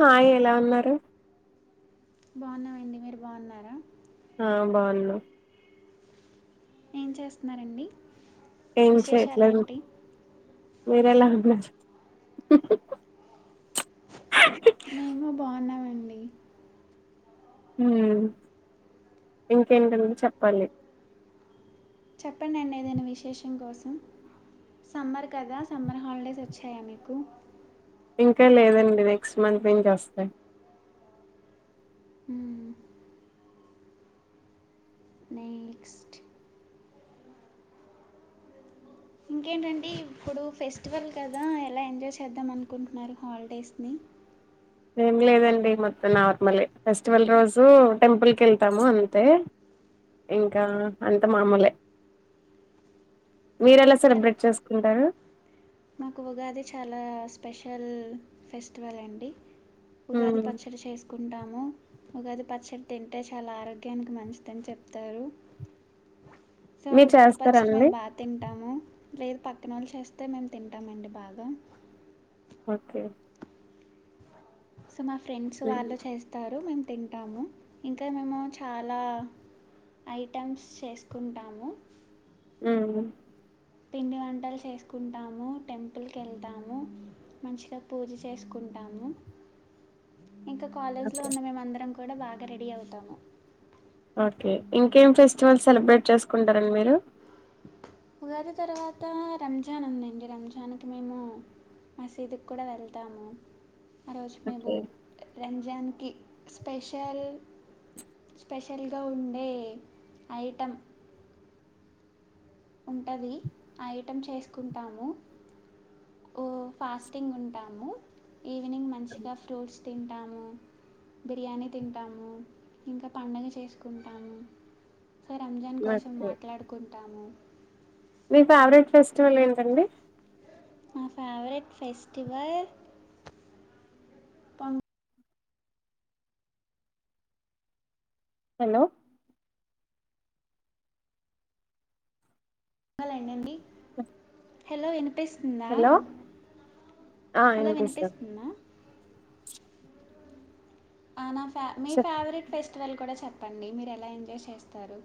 Hi ఎలా ఉన్నారు బాగున్నానండి మీరు బాగున్నారా ఆ బాగున్నా ఏం చేస్తున్నారండి ఏం చెయట్లేదు విశేషాలేంటి మీరేలా ఉన్నారు నేను బాగున్నాం అ ఇంకేంటని చెప్పాలి చెప్పండి ఏదైనా విశేషం కోసం సమ్మర్ కదా సమ్మర్ హాలిడేస్ వచ్చాయా మీకు ఇంకా లేదండి నెక్స్ట్ మంత్ నుంచ వస్తాయి అ నెక్స్ట్ ఇంకేంటండి ఇప్పుడు ఫెస్టివల్ కదా ఎలా ఎంజాయ్ చేద్దాం అనుకుంటున్నారు హాలిడేస్ ని ఏం లేదండి మొత్తం నార్మలే ఫెస్టివల్ రోజు టెంపుల్ క వెళ్తాము అంతే ఇంకా అంత మామూలే మీర ఎలా తర సెలబ్రేట్ చేసుకుంటారు మాకు ఉగాది చాలా స్పెషల్ ఫెస్టివల్ అండి ఉగాది హ్మ్ పచ్చడి చేసుకుంటాము ఉగాది పచ్చడి తింటే చాలా ఆరోగ్యానికి మంచిదని చెప్తారు సావు మీరు గది చేస్తారా పచ్చడి అండి మేము బాగా తింటాము లేదు పక్కనోళ్ళు చేస్తే మేము తింటామండి బాగా ఓకే సో మా ఫ్రెండ్స్ హ్మ్ వాళ్ళు చేస్తారు మేం తింటాము ఇంకా మేము చాలా ఐటమ్స్ చేసుకుంటాము హ్మ్ పిండి వంటలు చేసుకుంటాము టెంపుల్కి వెళ్తాము మంచిగా పూజ చేసుకుంటాము ఇంక కాలేజ్ లో ఓకే ఉన్న మేమందరం కూడా బాగా రెడీ అవుతాము ఓకే ఇంకేం ఫెస్టివల్ సెలబ్రేట్ చేసుకుంటారండి మీరు ఉగాది తర్వాత రంజాన్ ఉందండి రంజాన్కి మేము మసీదుకి కూడా వెళ్తాము ఆ రోజు మేము ఓకే రంజాన్కి స్పెషల్, స్పెషల్గా ఉండే ఐటెమ్ ఉంటది ఐటమ్ చేసుకుంటాము, ఓ ఫాస్టింగ్ ఉంటాము. ఈవినింగ్ మంచిగ ఫ్రూట్స్ తింటాము, బిర్యానీ తింటాము ఇంక పండగ చేసుకుంటాము. సా రంమ్జాన్ కోసం ఓకే మాట్లాడుకుంటాము. మీ ఫేవరెట్ ఫెస్టివల్ ఏంటండి నా ఫేవరెట్ ఫెస్టివల్ పం హలో బంగాలండండి హలో వినిపిస్ హలో ఆ హలో వినిపిస్తా వినిపిస్తుందా ఆనా ఫే మీ చెప్ ఫేవరెట్ ఫెస్టివల్ కూడా చెప్ ప్పండి మీరు ఎలా ఎంజాయ్ చేస్తారు.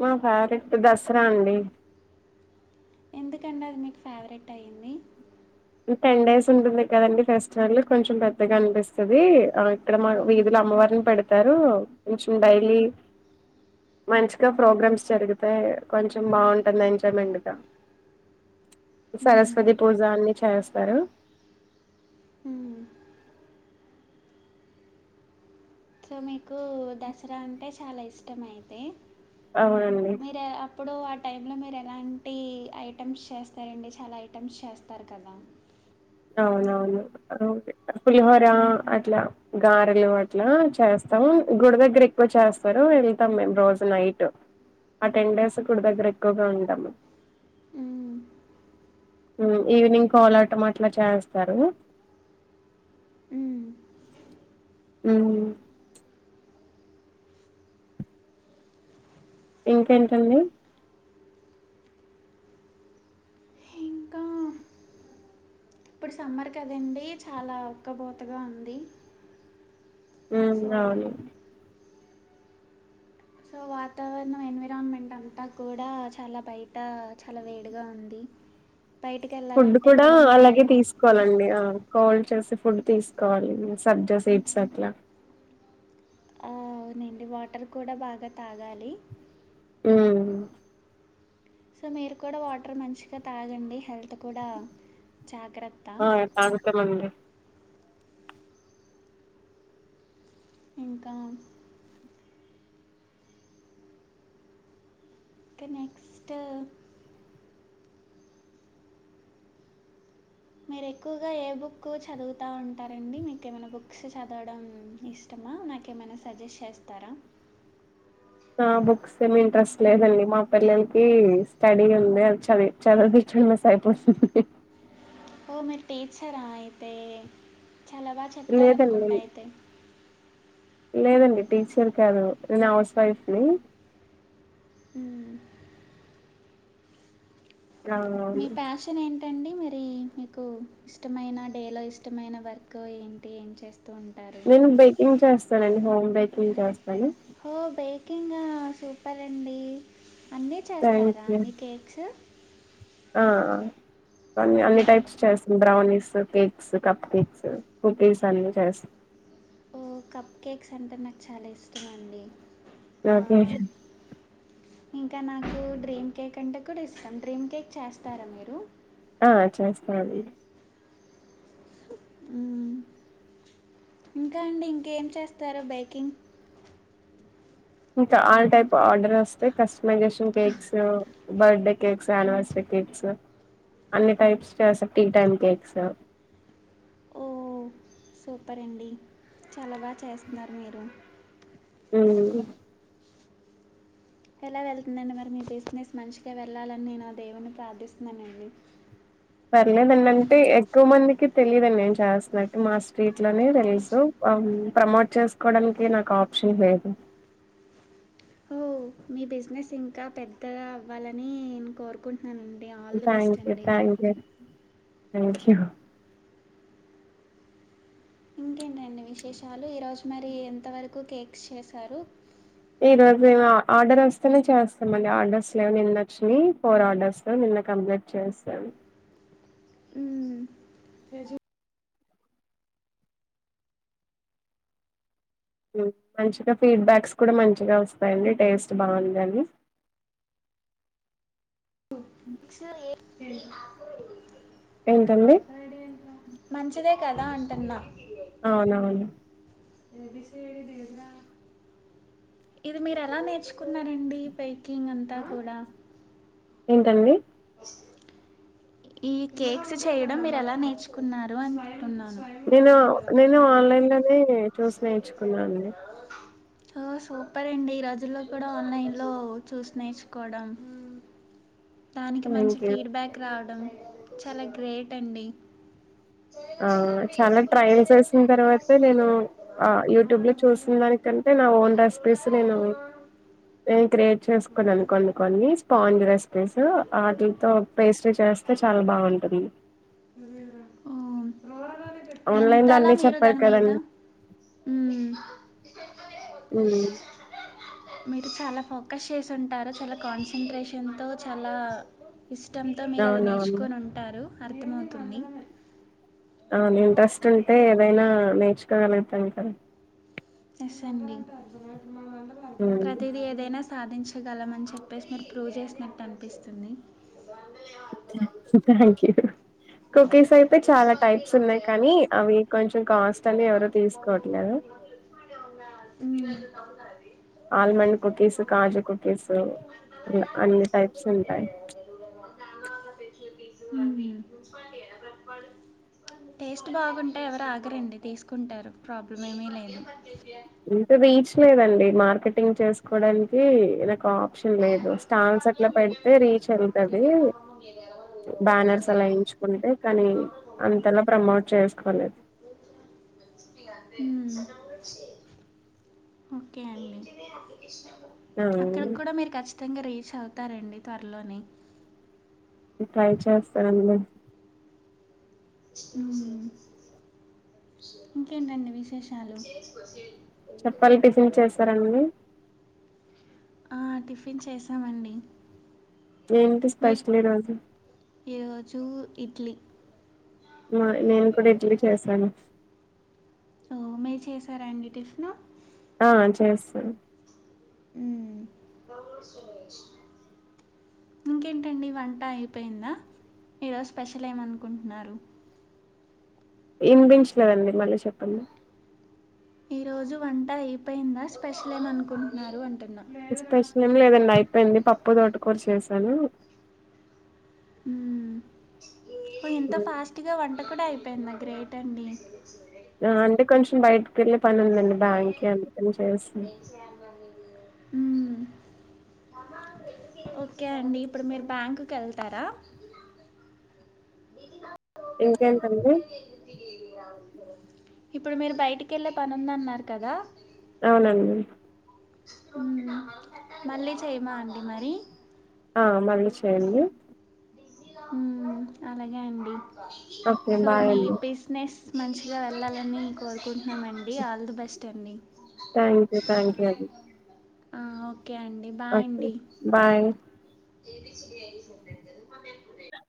మా ఫేవరెట్ దసరా అండి. ఎందుకండి అది మీకు ఫేవరెట్ అయ్యింది. టెన్ డేస్ ఉంటుంది కదండి ఫెస్టివల్ కొంచెం పెద్దగా అనిపిస్తది, ఆ ఇక్కడ మా వీధులొ అమ్మవారిని పెడతారు కొంచెం డైలీ, మంచిగ ప్రోగ్రామ్స్ జరుగుతాయ్ కొంచెం బావుంటుంది ఎంజాయ్ మెండుగ మ్మ్. సరస్వతి పూజాన్ని చేస్తారు. ఉ సో మీకు దసరా అంటే చాలా ఇష్టంమైతే అవునండి మిర అప్పుడో అ టైంలో మీరు ఎలాంటి ఐటమ్స్ చేస్తారండి, చాలా ఐటమ్స్ చేస్తారు కదా. అవునవును పులిహోర అట్ల, గారెలు అట్ల చేస్తాము గుడి దగ్గర ఎక్కువ చేస్తారు వెళ్తాం మేము రోజు నైట్, ఆ టెన్ డేస్ గుడి దగ్గర ఎక్కువగా ఉంటాము. హ్మ్. ఉ ఈవినింగ్ కోలాటం అట్ల చేస్తరు. హ్మ్. ఉ ఇంకేంటండి. ఇంకా ఇప్పుడు సమ్మర్ కదండి చాలా ఉక్కబోతగా ఉంది. ఉ సో, నౌను. సో వాతావర్ణం ఎన్విరామెంట్ అంతా కూడా చాలా బయట చాలా వేడిగా ఉంది. ఫుడ్ బయటికెళ్ళాలంటే కూడా చాలా అలాగే భయమేస్తుంది. తీసుకోవాలండి అ కోల్డ్ చేసి ఫుడ్ తీసుకోవాలి ఉ సబ్జ సీట్స్ అట్ల ఆ అవునండి వాటర్ కూడా బాగా తాగాలి. ఉ సో మీరు కూడా వాటర్ మంచిగా తాగండి హెల్త్ కూడా జాగ్రత్త ఆ తాగుతం మండి. ఇంకా క నెక్స్ట్ మీరు ఎక్కువగా ఏ బుక్ చదువుతూ ఉంటారండి మీకు ఏమైనా బుక్స్ చదవడం ఇష్టమా నాకేమైనా సజెస్ట్ చేస్తారా ఆ బుక్స్ ఏమి ఇంట్రెస్ట్ లేదండి మా పిల్లలకి స్టడీ ఉంది అది చది చదివవ చన్నస్ అయిపోతుంది ఇ మీరు టీచరా అయితే చాలా బాగా లేదండి చెప్తారనుకుంటా అయితే లేదండి టీచర్ కాదు నేను హౌస్ వైఫ్ ని హ అవువును టండి మీరీ మీకు ఇష్టమైన డేలో ఇష్టమైన వర్క్ ఏంటి ఏం చేస్ నేను బేకింగ్ చేస్తానండి. హోమ్ బేకింగ్ చేస్తాను. ఓ బేకింగా సూపరండి. అన్ని చేస్తారా అన్ని కేక్స్ ఆఅ అన్ని అన్ని టైప్స్ చేస్న్ brownies, cakes, cupcakes, cookies అన్ని చేస్ ఓ కప్ కేక్స్ అంటే నాకు చాలా ఇష్టంమండి. న కీష్ ఇంకా నాకు డ్రీమ్ కేక్ అంటే కూడా ఇష్టం, డ్రీమ్ కేక్ చేస్తారా మీరు ఆ చేస్తాం ఇంకా అండి ఇంకేం చేస్తారు బైకింగ్ ఇంకా ఆల్ టైప్ ఆర్డర్ వస్తే కస్ మకాషం cakes birthday cakes anniversary cakes అన్ని టైప్స్ చేస్తారు టీ టైమ్ కేక్స్ ఓ సూపర్ అండి చాలా బాగా చేస్తున్నారు మీరు [unintelligible] ఎలా వెళ్తుందండి మరి మీ బిజినెస్ మంచిగా వెళ్ళాలని నేను ఆ దేవుణని ప్రార్థిస్తున్నానండి పర్లేదండి అంటే ఎక్కువ మందికి తెలిదండి ఏం చేస్తున్నట్ మాస్ స్ట్ లోనే కాల్ తెలుసు వచ్చింది ప్రమోట్ చస్ ఇకోడానికి నాకు ఆప్షన్ లే ఓ మీ బిజినెస్ ఇంకా పెద్ద అవ్వాలని నేను కోరుకుంటు thank you thank you thank you ఇంకేంటండి విశేషాలు ఈరోజు మరి ఎంతవరకు కేక్స్ చేశారు ఈ రోజు మేము ఆర్డర్ వస్తేనే చేస్తాంమండి ఆర్డర్స్ లేవ నిన్న వొచ్చినాయి ఫోర్ ఆర్డర్స్ నిన్న కంప్లీట్ చేస్తాం ఉ మంచిగా ఫీడ్ బ్యాక్స్ కూడా మంచిగా వస్తాయండి టేస్ట్ బాగుందని పక్ష ఏ ఏంటండి హ్యాపీ ఐడియా ఏంట్రా? మంచిదే కదా అంటన్నా అవునవును ఇది మీరు ఎలా నేర్చుకున్నారండి పైకింగ్ అంతా కూడా ఏంటండి ఈ కేక్స్ చేయడం మీరు ఎలా నేర్చుకున్నారు అని [unintelligible] నేను నేను ఆన్లైన్ లోనే చూసి నేర్చుకున్నానండి ఓ సూపర్ అండి ఈ రజుల్లో కూడా ఆన్లైన్ లో చూసి నేర్చుకోవడం దానికి మంచి థ్యాంక్ యూ ఫీడ్ బ్యాక్ రావడం చాలా గ్రేట్ అండి ఆ చాలా ట్రయల్ చేసిన తర్వాత నేను యూట్యూబ్ లో చూసిన దానికంటే నా ఓన్ రెసిపీస్ నేను నేను క్రియేట్ చేసుకున్నా అను కొం కొన్ని స్పాంజ్ రెసిపీస్ వాటిలతో పేస్ట చేస్త అస్తే చాలా బాగుంటుంది వు ఆన్లైన్ లో ఎంతలా అన్ని మీరు చెప్పారు దాని మీద కదండి ఉ ఉ మీరు చాలా ఫోకస్ చేసింటారు చాలా కాన్సట్రేషన్తో చాలా ఇష్టంతో మీరు అది నే అవునవును చుకొని ఉంటారు అర్థమవుతుంది అ ఇంట్రెస్ట్ ఉంటే ఏదైనా నేర్చు ల ఇత అంతా ఎసండి ఉమ్ ప్రతిది ఏదైనా సాధించగలమని చెప్పేసి మీరు ప్రూవ్ చేసినట్టు అనిపిస్తుంది థ్యాంక్ యూ కుకీస్ అయితే చాలా టైప్స్ ఉన్నాయి కానీ అవి కొంచెం కాస్ట్ అని ఎవరు తీసుకోవట్లేదు అవునా మీ దగ్గర దొరుకుతాయా ఆల్మండ్ కుకీస్ కాజు కుకీస్ అన్ని టైప్స్ ఉంటాయి టేస్ట్ బాగుంటాయి ఎవరు ఆగరండి తీసుకుంటారు ప్రాబ్లం ఏమీ లేదు ఇంకా రీచ్ లేదండి మార్ మార్కెటింగ్ చేసుకోవడానికి ఇ ఒక ఆప్షన్ లేదు స్టాల్స్ అట్లా పెడితే రీచ్ ఎల్ తది బ్యానర్స్ అలా ఎంచుకుంటే కానీ అంతలా ప్రమోట్ చేసుకోలేదు మ్మ్. ఓకే అండి అక్కడ ఆ కూడా మీరు కచ్చితంగా రి చవుతారండి త్వరలోనే ట్రై చేస్తా అండి ఇంకేంటండి విశేషాలు చెప్పాలి టిఫిన్ చేసారండి ఆ టిఫిన్ చేసామండి ఏంటి స్పెషల్ ఈరోజు ఈరోజు ఇడ్లీ మరి నేను కూడా ఇడ్లీ చేసాను ఓ మీరు చేసారండి టిఫిన్ ఆ చేస్తాను ఉ ఇంకేంటండి వంట అయిపోయిందా ఈరోజు స్పెషల్ ఏమనుకుంటున్నారు ఇనిపించలేదండి మళ్ళీ చెప్పండి ఈ రోజు వంట అయిపోయిందా స్పెషల్ ఏం అనుకుంటున్నారు అంటు స్పెష ని ఏదన్నాయి పెంది పప్పు, తోట కూర చేసాను మ్మ్ ఓ ఎంత హ్మ్. ఫాస్ట్ గా వంట కూడా అయి పోయిందా గ్రేట్ అండి అంతే కొంచం బయట కెళ్ళే పని ఉందండి బ్యాంకి అందుకని చేసా ఓకే అండి ఇప్పుడు మీరు బ్యాంక్కి వెళ్తారా ఇంకేంటండి ఇప్పుడు మీరు బయటికి వెళ్ళే పని ఉంది అన్నారు కదా అవునండి మళ్ళీ చెయమా అండి మరి ఆ మళ్ళీ చేయండి హ్మ్ అలాగే అండి ఓకే సో బాయ్ మీ అండి బిజినెస్ మంచిగా వెళ్ళాలని కోరుకుంటున్నామండి ఆల్ ది బెస్ట్ అండి థ్యాంక్ యూ థ్యాంక్ యూ అండి ఆ ఓ కే అండి బాయ్ ఓకే అండి బాయ్